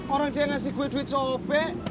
orang dia yang ngasih gua duit sobek